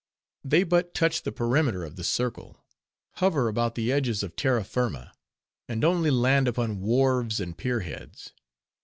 They but touch the perimeter of the circle; hover about the edges of terra firma; and only land upon wharves and pier heads.